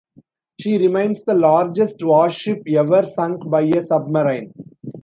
She remains the largest warship ever sunk by a submarine.